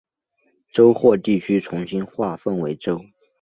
州或地区重新划分为州。